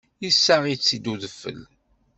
Yessaɣ-itt-id udfel.